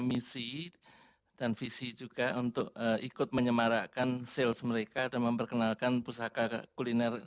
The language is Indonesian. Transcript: misi dan visi juga untuk ikut menyemarakkan sales mereka dan memperkenalkan pusaka kuliner